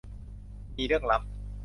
มีเรื่องลับ